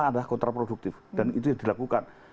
adalah kontraproduktif dan itu yang dilakukan